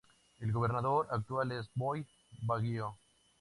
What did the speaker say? El gobernador actual es Boy Baguio.